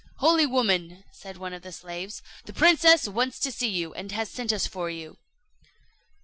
"Holy woman," said one of the slaves, "the princess wants to see you, and has sent us for you."